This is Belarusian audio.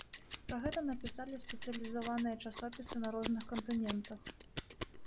Пра гэта напісалі спецыялізаваныя часопісы на розных кантынентах.